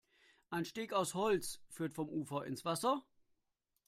Ein Steg aus Holz führt vom Ufer ins Wasser.